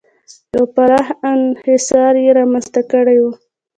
یو پراخ انحصار یې رامنځته کړی و.